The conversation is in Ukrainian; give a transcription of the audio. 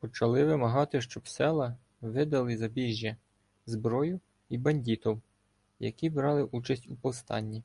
Почали вимагати, щоб села видали збіжжя, зброю і "бандітов", які брали участь у повстанні.